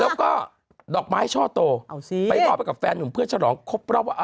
แล้วก็ดอกไม้ช่อโตเอาสิไปมอบไปกับแฟนหนุ่มเพื่อฉลองครบรอบว่า